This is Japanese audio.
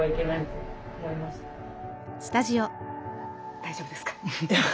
大丈夫ですか？